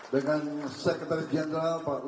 dengan sekretaris general pak lohan